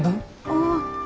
ああ。